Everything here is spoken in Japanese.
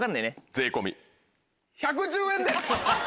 税込み１１０円です。